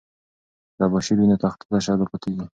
که تباشیر وي نو تخته تشه نه پاتیږي.